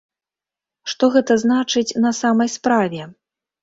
Што гэта значыць на самай справе?